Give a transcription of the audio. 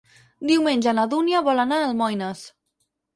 Diumenge na Dúnia vol anar a Almoines.